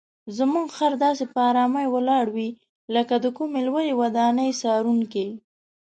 زموږ خر داسې په آرامۍ ولاړ وي لکه د کومې لویې ودانۍ څارونکی.